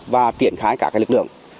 và tiện khái cả cái lực lượng